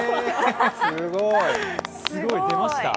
すごい、出ました。